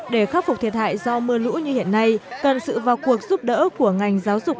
để khắc phục thiệt hại do mưa lũ như hiện nay cần sự vào cuộc giúp đỡ của ngành giáo dục